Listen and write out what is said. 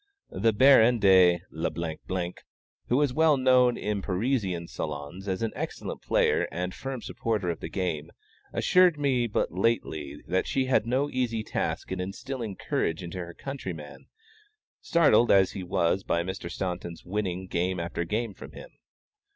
The Baronne de L , who is well known in Parisian salons as an excellent player and firm supporter of the game, assured me but lately that she had no easy task in instilling courage into her countryman, startled as he was by Mr. Staunton's winning game after game from him.